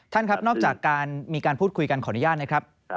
ท่านครับนอกจากการมีการพูดคุยกันขออนุญาตนะครับ